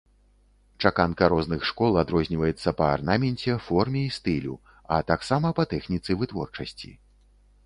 Чаканка розных школ адрозніваецца па арнаменце, форме і стылю, а таксама па тэхніцы вытворчасці.